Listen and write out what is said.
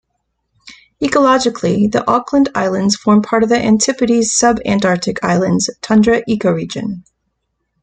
Ecologically, the Auckland Islands form part of the Antipodes Subantarctic Islands tundra ecoregion.